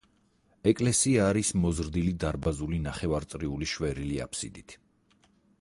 ეკლესია არის მოზრდილი დარბაზული ნახევარწრიული შვერილი აფსიდით.